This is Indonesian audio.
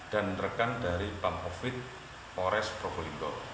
dan rekan dari pamovit pores probolinggo